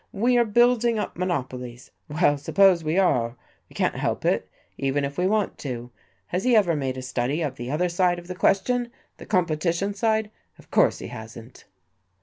We are building up monopolies! Well, suppose we are. We can't help it, even if we want to. Has he ever made a study of the other side of the question the competition side? Of course he hasn't."